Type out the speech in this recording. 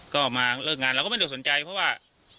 ก็มาเลิกงานเราก็ไม่ได้สนใจเพราะว่า